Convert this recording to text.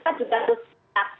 saya rasa tidak banyak